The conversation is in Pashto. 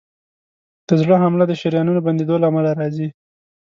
د زړه حمله د شریانونو بندېدو له امله راځي.